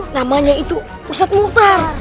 namanya itu ustadz muhtar